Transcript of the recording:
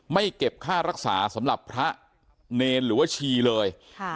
เก็บค่ารักษาสำหรับพระเนรหรือว่าชีเลย